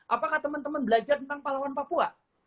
apakah teman teman belajar tentang pahlawan papua